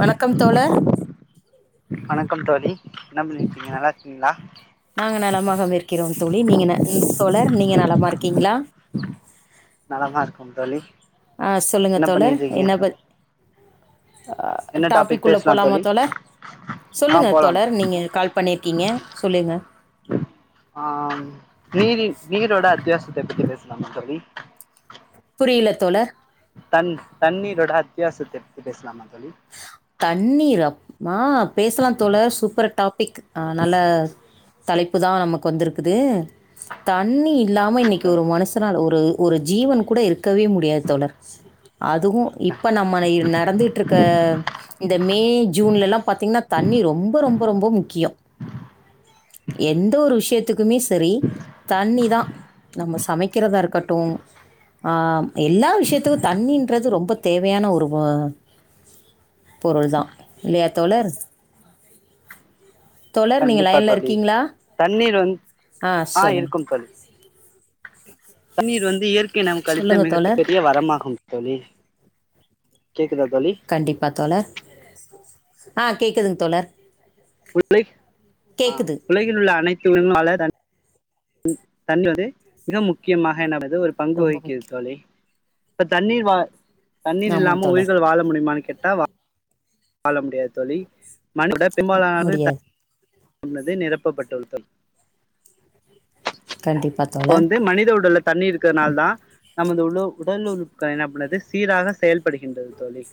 வணக்கம் தோழர் வணக்கம் தோழி என்ன பண்ணிடுருக்கீங்க நல்லா இருக்கீங்களா நாங்க நலமாக இருக்கிறோம் தோழி நீங்கள் தோழர் நீங்க நலமா இருக்கீங்களா நலமா இருக்க தோழி ஆ சொல்லுங்க என்ன தோழர் பண்ணிட்ருக்கீங்க என்ன ப தோழி என்ன டாபிக் டாபிக்குள்ள பேசலா போலாமா தோழி தோழர் ஆ சொல்லுங்க போலாம் தோழர் தோழி நீங்க கால் பண்ணியிருக்கீங்க சொல்லுங்க ஆ நீர்ன் நீரோட அத்தியாவசியத்த பத்தி பேசலாமா தோழி புரில தோழர் தண் தண்ணீரோட அத்தியாவசத்த பேசலாம தோழி தண்ணீர் ஆ ஆ பேசலா தோழர் சூப்பர் டாப்பிக் ஆ நல்ல தலைப்பு நா நமக்கு வந்துருக்குது தண்ணி இல்லாமல் இன்னிக்கி ஒரு மனுஷனால கூட ஒரு ஒரு ஜீவன் கூட இருக் க்கவே முடியாது தோழர் அதுவு இப்ப நம்ம நடந்துட்டு இருக் க இந்த மே ஜூன்லா பாத்தீங்கன்னா தண்ணி ரொம்ப ரொம்ப ரொம்ப முக்கியோ எந்த ஒரு விஷயத்துக்குமே செரி தண்ணி தா நம்ம சமைக்கிறதா இருக்கட்டு ஆ எல்லா விஷயத்துக்கு தண்ணின்றது ரொம்ப தேவையான ஒரு வ பொருள் தா இல்லயா தோழர் தோழர் நீங்க கண்டிப்பா லைன்ல இருக் தோழி தண்ணீர் வந்து ஆ சொல்லுங்க இருக்கோம் தோழி தண்ணீர் வந்து இயற்கை நமக்கு. அழித்த சொல்லுங்க மிகப்ப தோழர் பெரிய வரமாகும் தோழி கேக்குதா தோழி கண்டிப்பா தோழர் ஆ கேட்குதுங்க தோழர் [unintelligible] [unintelligible] கேட்குது பங்கு ரொம்ப வகிக்கிது முக்கியம் தோழி இப்ப தண்ணீர் தண்ணீர் ஆமாம் இல்லாம தோழர் உயிர்கள் வாழ முடியுமானு கேட்ட ட்டா வாழ முடியாத தோழி மனிதர் வந்து பெருபாலானது தண் முடியாது உள்ளது நிரப்பப்பட்டது தோழி கண்டிப்பாக இப்ப தோழர் வந்து மனித உடலுக் தண்ணி இருக்கிறதுனால தா நமது உ உடல் உறுப்புகள் என்ன பது சீராக செயல்படுகின்றது தோழி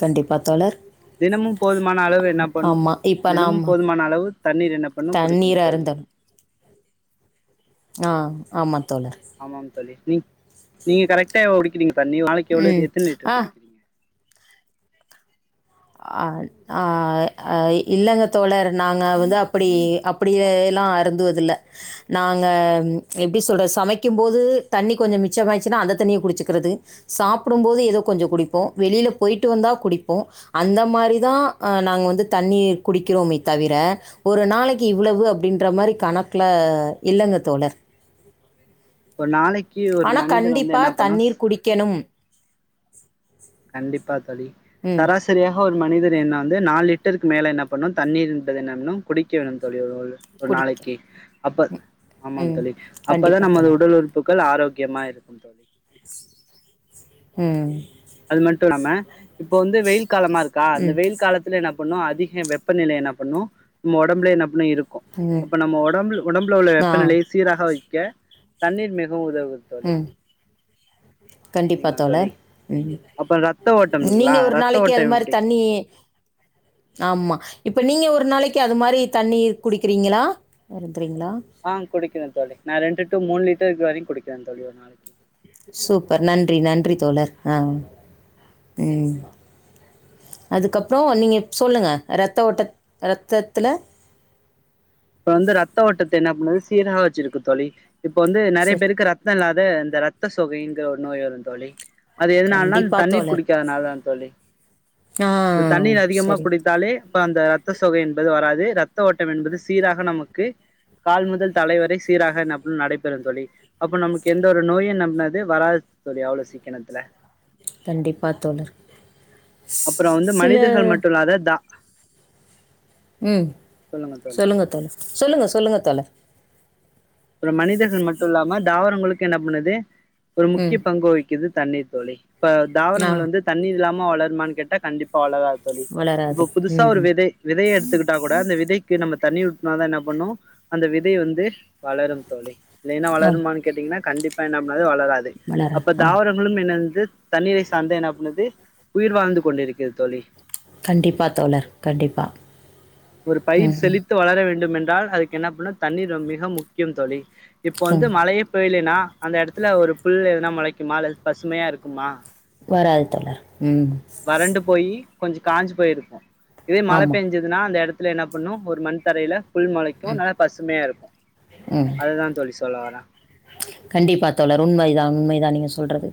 கண்டிப்பா தோழர் தினமும் போதுமான அளவு என்ன பண்ண ஆமாம் இப்போ நாம் தினமும் போதுமான அளவு தண்ணீர் என்ன பண்ணு தண்ணீர் குடிக்கணு தோழி அருந்தணும் ஆ ஆமா தோழர் ஆமாம் தோழி நீங்க கரெட்டா [unintelligible] ஒரு நாளைக்கு எவ்ளோ ம் எத்தன லிட்டர் ஆ குடுக்கிறீங்க ஆ ஆ இல்லங்க தோழர் நாங்க வந்து அப்படி அப்பிடியே எல்லாம் அறுந்துவது இல்ல நாங்க எப்டி சொல்ற சமைக்கும் போது தண்ணி கொஞ்சோ மிச்சமாச்சுன்னா அந்த தண்ணியே குடிச்சிக்கிறது சாப்பிடும் போது ஏதோ கொஞ்சோ குடிப்போ வெளில போயிட்டு வந்தா குடிப்போ அந்த மாரி தா நாங்க வந்து தண்ணிய குடிக்கிறோமே தவிர ஒரு நாளைக்கி இவ்ளவு அப்டின்ற மாரி கணக்குல இல்லங்க தோழர் ஒரு நாளைக்கி ஒரு மனிதர் வந்து என்ன பண்ணு குடிக்கணு கண்டிப்பா தோழி சராசரி ம். சராசரியாக ஒரு மனிதர் என்ன வந்து நாலு லிட்டருக்கு மேல என்ன பண்ணனு தண்ணீர் என்பது என்ன குடிக்க வேணு தோழி ஒரு குடிக்க நாளைக்கி அப்ப ஆமாங்க ம். தோழி அப்பதா கண்டிப்பா நமது தோழர். உடல் உறுப்புகள் ஆரோக்கியமா இருக்கு தோழி உ அது மட்டும் இல்லாம இப்போ வந்து வெயில் காலமா இருக்கா இந்த ம். வெயில் காலத் என்ன பண்ணு அதிகோ வெப்பநிலை என்ன பண்ணு நம்ம உடம்புல என்ன பண்ணு இருக்கு ம். அப்ப நம்ம உடம்பு உடம்புல உள்ள ஆ வெப்பநிலையை சீராக வைக்க தண்ணீர் மிகவு உதவுது உ தோழி கண்டிப்பா சரிங்களா தோழி தோழர் உ அப்ப ரத்த ஓட்டம் நீங்க இருக்குங்களா ஒரு ரத்த நாளைக்கு அது ஓட்டம் மாதிரி எப்டி தண்ணி ஆமா இப்ப நீங்க ஒரு நாளைக்கு அது மாதிரி தண்ணீர் குடிக்கிறீங்களா வருந்துறீங்களா ஆ குடிக்கிறே தோழி நா ரெண்டு டு மூணு லீட்டர் இதுவரைக்கு குடிக்கிறே தோழி ஒரு நாளைக்கி சூப்பர் நன்றி நன்றி தோழர் ஆ ம் அதுக்கப்றோ நீங்க சொல்லுங்க ரத்த ஓட்ட ரத்தத்துல இப்ப வந்து ரத்த ஓட்டத்தை என்ன பண்ணுது சீராக வச்சிருக்கு தோழி இப்ப வந்து நெறைய சரி. பேதுக்கு ரத்த இரத்தோ இல்லாத இந்த ரத்த சோகைங்கிற ஒரு நோய் வரு தோழி அது எதுனாலன்னா இந்த கண்டிப்பா தண்ணீர் தோழர். குடிக்காதனால தா தோழி ஆ இந்த தண்ணீர் அதிகமாக சரி. குடிக்தாலே இப்ப அந்த ரத்த சோகை என்பது வராது ரத்த ஓட்டம் என்பது சீராக நமக்கு கால் முதல் தலைவரை சீராக நடைபெறும் தோழி அப்போ நமக்கு எந்த ஒரு நோயு நம்மது வராது தோழி அவ்ளோ சீக்கனத்துல கண்டிப்பா தோழர் அப்பறொ வந்து சில மனிதர்கள் மட்டு இல்லாத த ம் தோழி சொல்லுங்க தோழ சொல்லுங்க சொல்லுங்க தோழர் அப்றொ மனிதர்கள் மட்டு இல்லாம தாவரங்களுக்கு என்ன பண்ணுது ஒரு முக்கிய ம். பங்கு வகிக்குது தண்ணீர் தோழி இப்ப ஆ. தாவரங்கள் வந்து தண்ணி இல்லாம வளருமான்னு கேட்டா கண்டிப்பா வளராது தோழி வளராது. இப்ப புதுசா ஒரு ம். விதை விதை எடுத்துக்கிட்டா கூட அந்த விதைக் நம்ம தண்ணி விட்ன தா என்ன பண்ணு அந்த விதை வந்து வளரும் தோழி இல்லைன்னா ஆம் வளருமானு கேட்டீங்கன்னா கண்டிப்பா என்ன பண்ணாது வளராது மலரன் அப்ப ஆம் தாவரொ [unintelligible] தண்ணீரை சார்ந்து என்ன பன்னுது உயிர் வாழ்ந்து கொண்டிருக்கிறது தோழி கண்டிப்பா தோழர் கண்டிப்பா ஒரு பயிர் செழித்து வளர வேண்டு என்றால் அதுக்கு என்ன பண்ணு தண்ணீர் மிக முக்கியோ தோழி இப்போ வந்து ம். மழையே பயலன்னா அந்த எடத்துல ஒரு புல் எதனா மொளைக்குமா அல்லது பசுமையா இருக்குமா வாராது தோழர் வறண்டு போயி கொஞ்சொ காஞ்சு போயிருக்கு இதே மழை ஆமாம் பெஞ்சு பெஞ்சதுனா அந்த எடத்துல என்ன பண்ணு ஒரு மண் தரையில புல் மொளைக்கு நல்லா பசுமையா இருக்கு அதா தோழி சொல்ல வரே கண்டிப்பா தோழர் உண்மைதா உண்மைதா நீங்க சொல்றது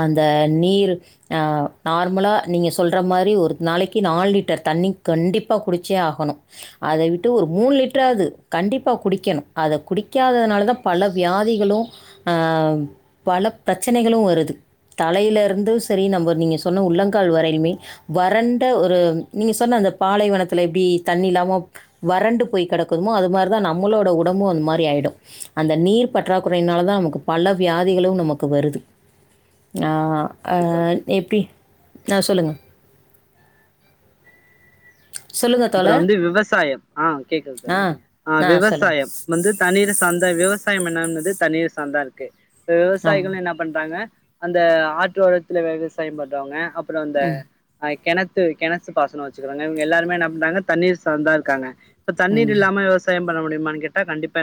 அந்த நீர் ஆ நார்மலா நீங்க சொல்ற மாரி ஒரு நாளைக்கி நாலு லிட்டர் தண்ணி கண்டிப்பா குடிச்சே ஆகணு அத விட்டு ஒரு மூணு லிட்டராது கண்டிப்பா குடிக்கணு அத குடிக்காததுனால தா பல வியாதிகளு அ பல பிரச்சனைகளு வருது தலைல இருந்து சேரி நம்ம நீங்க சொன்ன உள்ளங்கால் வரையுமே வறண்ட ஒரு நீங்க சொன்ன அந்த பாலைவனத்துல எப்படி தண்ணி இல்லாம வறண்டு போய் கெடக்குதுமோ அது மாரிதா நம்மளோட உடம்பு அந்த மாரி ஆயிடு அந்த நீர் பற்றாக்கு குறைனால தா நமக்கு பல வியாதிகளு நமக்கு வருது ஆ ஆ கண்டிப்பா தோழி நீர்த்தி அ சொல்லுங்க சொல்லுங்க அப்றோ தோழர் வந்து விவசாயம் ஆ கேக்குது தோழி ஆ ஆ விவசாயம் வந்து தண்ணீர சார்ந்த விவசாயம் என்னாகுது தண்ணீர் சார்ந்தா இருக்கு ஆமா விவசாயிகள் என்ன பண்றாங்க அந்த ஆற்றோரத்துல விவசாயம் பண்றவங்க அப்றோ அந்த ம் ஆ கிணத்து கெணத்து பாசனோ வச்சுக்கிறாங்க இவுங்க எல்லாருமே என்ன பண்றாங்க தண்ணீர் சார்ந்தா இருக்காங்க தண்ணீர் ம் இல்லாம விவசாயம் பண்ண முடியுமான் கேட்டா கண்டிப்பா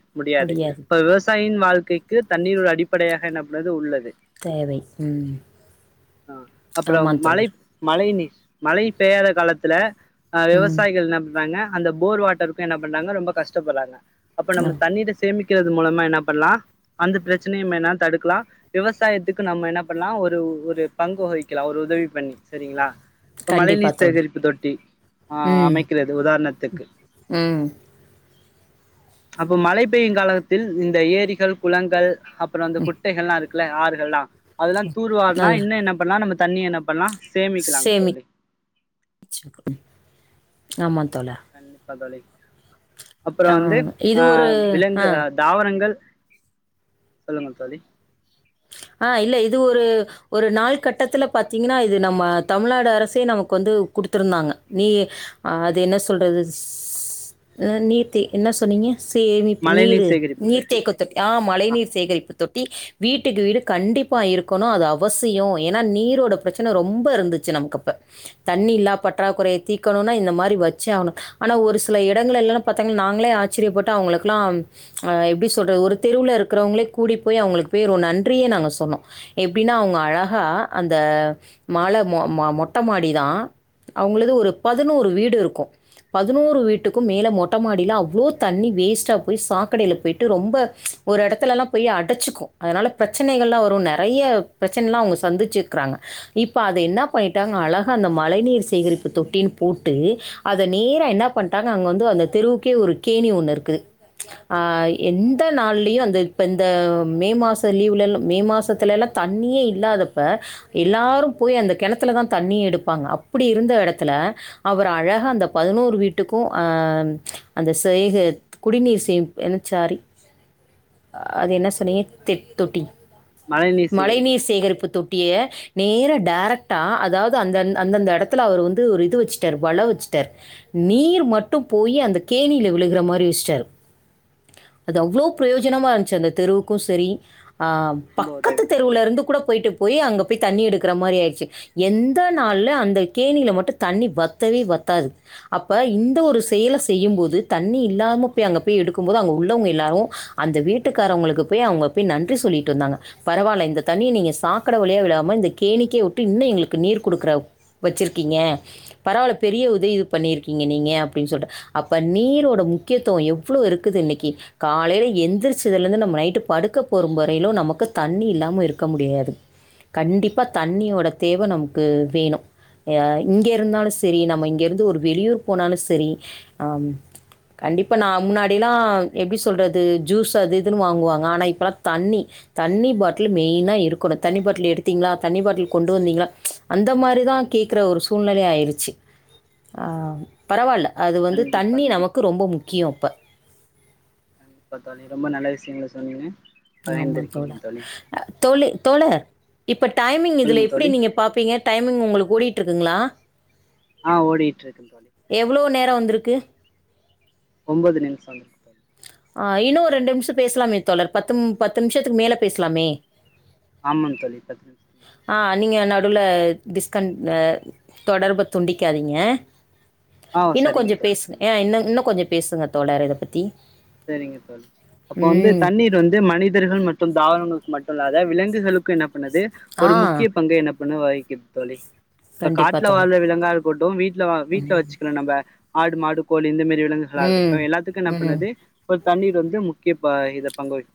[unintelligible] முடியாது இப்ப விவசாயின் வாழ்க்கை க்கு தண்ணீர் ஒரு அடிப்படையாக என்ன பன்னுது உள்ளது கரைக்ட் ம் ஆ அப்புறம் ஆமான் மழை தோழர் மழை நீர் மழை பெய்யாத காலத்துல அ ம் விவசாயிகள் என்ன பண்றாங்க அந்த போர் வாட்டருக்கு என்ன பண்றாங்க ரொம்ப கஷ்டப்பற்றாங்க அப்ப ஆ நம்ம தண்ணீர சேமிக்கிறது மூலமா என்ன பண்ணலா அந்த பிரச்சனையுமேனா தடுக்கலா விவசாயத்துக்கு நம்ம என்ன பண்ணலா ஒரு ஒரு பங்கு வகிக்கலா ஒரு உதவி பண்ணி செரிங்களா இப்ப மழை கண்டிப்பாக நீர் தோழர் சேகரிப்பு தொட்டி ஆ ம் அமைக்கிறது உதாரணத்துக்கு ம் அப்ப மழை பெய்யு காலத்தில் இந்த ஏரிகள் குளங்கள் அப்றொ அந்த குட்டைகலா இருக் ல ஆறுகள்லா அதெல்லா தூர்வார்னா அது இன்னு என்ன பண்லா நம்ம தண்ணி என்ன பண்லா சேமிக்கலாங் தோழி ச்சுருக்கு ஆமா தோழா கண்டிப்பா தோழி அப்றோ ஆ வந்து இது ஆ ஒரு ஆ விலங்கு தாவரங்கள் சொல்லுங்க தோழி ஆ இல்ல இது ஒரு ஒரு நாள் கட்டத்துல பாத்திங்ன்னா இது நம்ம தமிழ்நாடு அரசே நமக்கு வந்து குடுத்துருந்தாங்க நீ ஆ அது என்ன சொல்றது ஸ் நீர்த்தி என்ன சொன்னிங்க சேமிப்பு மழைநீர் நீரு சேகரிப்பு நீர் தொட்டி தேக்க தொட் ஆ மழை நீர் சேகரிப்பு தொட்டி வீட்டுக்கு வீடு கண்டிப்பா இருக்கணு அது அவசியோ ஏன்னா நீரோட பிரச்சன ரொம்ப இருந்துச்சு நமக்கு அப்ப தண்ணி இல்லா ஆ, பற்றா குறைய தீக்கணுன்னா இந்த மாரி வச்சே ஆகணு ஆனா ஒரு சில இடங்கள்லலா பாத்தாங் நாங்களே ஆச்சரியப்பட்டோ அவங்களுக்குலா அ எப்டி சொல்றது ஒரு தெருவுல இருக்கிறவங்களே கூடி போய் அவங்களுக் போய் ஒரு நன்றிய நாங்க சொன்னோ எப்டின்னா அவங்க அழகா அந்த மால்ல மொ மொட்ட மாடிதா அவங்குளுது ஒரு பதினோரு வீடு இருக்கு பதினோரு வீட்டுக்கும் மேல மொட்டமாடியில அவ்ளோ தண்ணி வேஸ்ட்டா போய் சாக்கடைல போய்ட்டு ரொம்ப ஒரு இடத்துல்லா போய் அடச்சிக்கு அதனால பிரச்சனைகள்லா வரு நிறைய பிரச்சனைல்லா அவங்க சந்திச்சியிருக்காங்க இப்ப அத என்னா பண்ணிட்டாங் அழகா அந்த மழை நீீர் சேகரிப்பு தொட்டின் போட்டு அத நேரா என்னா பண்ட்டாங் அங்க வந்து அந்த தெருவுக்கே ஒரு கேணி ஒன்னு இருக்குது ஆ எந்த நாள்லயு அந்த இப்ப இந்த மே மாஷ் த்து லீவுல எல்லா மே மாசத்துலல்லா தண்ணியே இல்லாதப்ப எல்லாரு போய் அந்த கிணத்துலதா தண்ணியே எடுப்பாங்க அப்டி இருந்த எடத்துல அவுரு அழகா அந்த பதினோரு வீட்டுக்கு அ அந்த செய்க குடிநீர் சேம் ண்ணே சாரி அது என்ன சொன்னீங்க கண் மழைநீர் மழை சேகரிப்பு நீீர் தொட்டி சேகரிப்பு தொட்டிய நேரா டேரக்ட்டா அதாவது அந்த அந்தந்த எடத்துல அவர் வந்து ஒரு இது வச்சுட்டாரு வள வச்சுட்டாரு நீர் மட்டும் போயி அந்த கேணில விழுகற மாறி வச்ட்டாரு அது அவ்ளோ கண்- பிரயோஜனமா இருந்ச்சு அந்த தெருவுக்கு சரி ஆம் ரொம்ப பக்கத்து உதவிக்கரமா தெருவுல இருந்து கூட போய்ட்டு போய் அங்க போய் தண்ணி எடுக்கற மாறி ஆய்ருச்சு எந்த நாள்ல அந்த கேணில மட்டு தண்ணி வத்தவே வத்தாது அப்ப இந்த ஒரு செயல செய்யும் போது தண்ணி இல்லாம போயி அங்க போயி எடுக்கும் போது அங்க உள்ளவங்க எல்லாரு அந்த வீட்டுக்காரவங்களுக்கு போயி அவுங்க போய் நன்றி சொல்லிட்டு வந்தாங்க பரவால்ல இந்த தண்ணிய நீங்க சாக்கடை வழியா விழாம இந்த கேணிக்கே விட்டு இன்னு எங்களுக்கு நீர் குடுக்குற வச்சிருக்கீங்க பரவால்ல பெரிய உதவி இது பண்ணியிருக்கீங்க நீங்க அப்டின்னு சொல்ட்டு அப்ப நீரோட முக்கியத்துவ எவ்ளோ இருக்குது இன்னைக்கி காலைல எந்திரிச்சதுல இருந்து நம்ம நைட்டு படுக்கப் பொறும் வரையிலு நமக்கு தண்ணி இல்லாம இருக்க முடியாது கண்டிப்பா தண்ணியோட தேவை நமக்கு வேணு யா இங்க இருந்தாலு செரி நம்ம இங்க இருந்து ஒரு வெளியூர் போனாலு செரி அ கண்டிப்பா நா முன்னாடில்லா எப்டி சொல்றது ஜூஸ் அது இதுன்னு வாங்குவாங்க ஆனா இப்பல்லாத் தண்ணி தண்ணி பாட்டில் மெயினா இருக்கணு தண்ணி பாட்டில் எடுத்தீங்ளா தண்ணி பாட்டில் கொண்டு வந்தீங்ளா அந்த மாறி தா கேக்குற ஒரு சூழ்நிலை ஆயிருச்சு பரவால்ல அது வந்து கண்டிப்பா தண்ணி தோழி நமக்கு ரொம்ப முக்கியம் இப்ப [unintelligible] தோழி ரொம்ப நல்ல விஷயங்கள சொன்னீங்க ஆமா பகிர்ந்திருக்கீங்க தோழர் தோழி தோழி தோழர் இப்ப டைமிங் இதுல சொல்லுங்க எப்டி தோழி நீங்கப் பாப்பீங்க டைமிங் உங்களுக்கு ஓடிட்டுயிருக்குங்களா அ ஓடிட்டுருக்கு தோழி எவ்ளோ நேரோ வந்துருக்கு ஒம்பது நிமிஷம் வந்திருக்கு தோழி அ இன்னு ஒரு ரெண்டு நிமிஷம் பேசலாமே தோழர் பத்து பத்து நிமிஷத்துக்கு மேல பேசலாமே ஆமாம் தோழி பத்து நிமிஷம் ஆ நீங்க நடுவுல டிஸ்கண்ட் அ தொடர்ப துண்டிக்காதீங்க ஆ இன்னு சரிங்க கொஞ்சோ தோழி பேசுங்க சரிங்க ஆ இன்னு இன்னு கொஞ்சோ பேசுங்க தோழர் இத பத்தி சேரிங்க தோழி அப்போ வந்து ம். தண்ணீர் வந்து மனிதர்கள் மட் டும் தாவரங்களுக்கு மட்டும் இல்லாத விலங்குகளுக்கு என்ன பண்ணுது ஆ ஒரு முக்கிய பங்கு என்னப் [unintelligible] வகிக்குது தோழி இப்ப கண்டிப்பா காட்டுல தோழர். வாழ்ற விலங்கா இருக்கட்டு வீட்ல வீட்ல வச்சுக்கிறோ நம்ப ஆடு மாடு கோழி இந்த மாரி விலங்குகளா ம். இருக்கட்டு எல்லாத்துக்கு என்ன ம். பண்ணது ஒரு தண்ணீர் வந்து முக்கிய ப இத பங்க வகிக்கி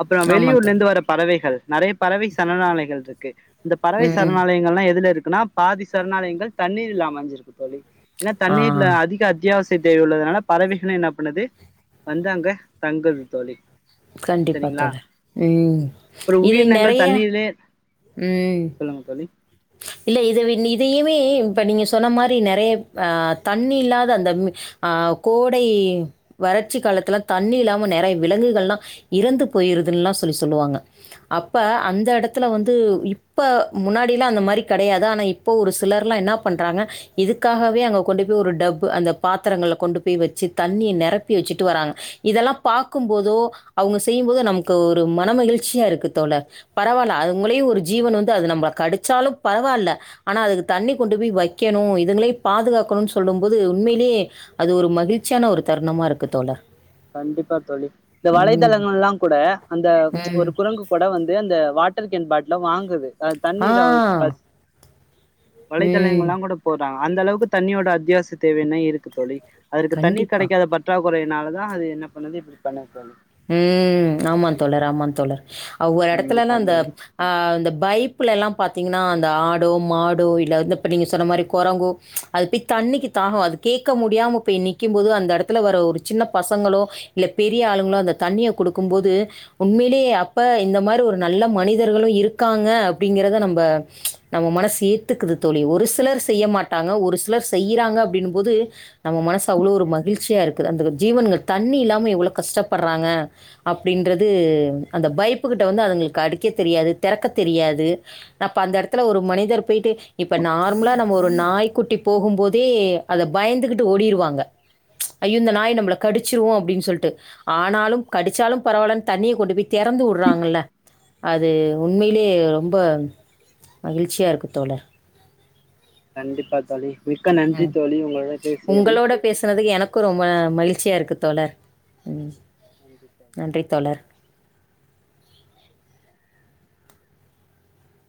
அப்பறம் ஆமா வெளியூர்ல தோழர். இருந்து வர பறவைகள் நெறையா பறவை சரணாலைகள் இருக்கு இந்த பறவை ம். சரணாலயங்கள்லா எதுல இருக்குன்னா பாதி சரணாலயங்கள் தண்ணீர்ல்ல அமஞ்சிருக்கு தோழி ஏன்னா ஆ. தண்ணீர்ல அதிக அத்தியாவசிய தேவை உள்ளதனால பறவைகள என்ன பண்ணுது வந்து அங்க தங்குது தோழி கண்டிப்பா செரிங்களா தோழர். ம். ஒரு இதை உயிரினங்கள் நெறைய தண்ணீரிலே சொல்லுங்க தோழி இல்ல இது இதையுமே இப்ப நீங்க சொன்ன மாரி நெறைய ஆ தண்ணி இல்லாத அந்த ஆ கோடை வறட்சி காலத்துல தண்ணி இல்லாம நெறைய விலங்குகள் எல்லா இறந்து போயிருதுன்னல்லா சொல்லி சொல்லுவாங்க அப்ப அந்த எடத்துல வந்து இப்ப முன்னா டில்லா அந்த மாரி கெடையாது ஆனா இப்போ ஒரு சிலர்ல்லா என்ன பண்றாங்க இதுக்காகவே அங்க கொண்டு போய் ஒரு டப் அந்த பாத்தரங்கள கொண்டு போய் வச்சு தண்ணிய நெரப்பி வச்சுட்டு வராங்க இதெல்லா பாக்கும் போதோ அவுங்க செய்யும் போதோ நமக்கு ஒரு மனமகிழ்ச்சியா இருக்கு தோழர் பரவால்ல அதுங்களயு ஒரு ஜீவன் வந்து அது நம்மள கடிச்சாலு பரவால்ல ஆனா அதுக்கு தண்ணி கொண்டு போய் வைக்கணு இதுங்களையு பாதுகாக்கணுன்னு சொல்லும் போது உண்மையிலேயே அது ஒரு மகிழ்ச்சியான ஒரு தருணமா இருக்கு தோழர் கண்டிப்பா தோழி இந்த ம். வலைத்தளங்கள்லா கூட அந்த ம். ஒரு குரங்கு கூட வந்து அந்த வாட்டர் கேன் பாட்டில வாங்குது ஆ தண்ணீர் காங்கோ எடுக் பஸ் ம். வலைத்தளங்கள்லா கூட போடுறாங்க அந்த அளவுக்கு தண்ணியோட அத்தியாவசிய தேவை இன்னு இருக்கு தோழி அதற்கு தண்ணீர் கண்டிப்பா. கெடைக்காத பட் ற்றாக்குறையினால தா அது என்ன பண்ணுது இப்டி பண்ணுது தோழி ம் ஆமா தோழர் ஆமா தோழர் ஆ ஒரு எடத்துலல்லா கண்டிப்பா அந்த தோழி ஆ அந்த பைப்புல ல்லா பாத்தீங்கன்னா அந்த ஆடோ மாடோ இல்ல இருந்த இப்ப நீங்க சொன்ன மாரி கொரங்கோ அது போய் தண்ணிக்கு தாகோ அது கேட்க முடியாம போய் நிக்கிம்போது அந்த எடத்துல வர ஒரு சின்ன பசங்களோ இல்ல பெரிய ஆளுங்களோ அந்த தண்ணிய குடுக்கு போது உண்மையிலேயே அப்ப இந்த மாரி ஒரு நல்ல மனிதர்களு இருக்காங்க அப்டிங்கறத நம்ப நம்ம மனசு ஏத்துக்குது தோழி ஒரு சிலர் செய்ய மாட்டாங்க ஒரு சிலர் செய்றாங்க அப்டின்னு போது நம்ம மனசு அவ்ளோ ஒரு மகிழ்ச்சியா இருக்குது அந்த வ் ஜீவன்கள் தண்ணி இல்லாம எவ்ளோ கஷ்டப்படுறாங்க அப்டின்றது அந்த பைப்புகிட்ட வந்து அதுங்களுக்கு அடிக்க தெரியாது தெறக்க தெரியாது அப்ப அந்த எடத்துல ஒரு மனிதர் போய்ட்டு இப்ப நார்மலா நம்ம ஒரு நாய்க்குட்டி போகு போதே அத பயந்துகிட்டு ஓடிருவாங்க ஐயோ இந்த நாய் நம்மள கடிச்சிருவோ அப்டின்னு சொல்ட்டு ஆனாலு கடிச்சாலு பரவால்லன்னு தண்ணிய கொண்டு போய் தெறந்து வுடுறாங்கல்ல அது உண்மையிலயே ரொம்ப மகிழ்ச்சியா இருக்கு தோழர் கண்டிப்பா தோழி மிக்க நன்றி தோழி உங்களோட பேசியது பேசுனது எனக்கு ரொம்ப மகிழ்ச்சியா இருக்கு தோழர் ம் நன்றி தோழி நன்றி தோழர்